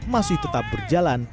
masih tetap berjalan